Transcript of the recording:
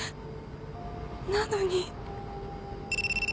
なのに。